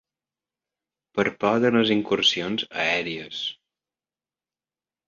...per por de les incursions aèries